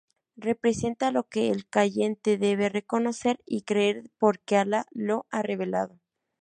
Representa lo que el creyente debe reconocer y creer porque Alá lo ha revelado.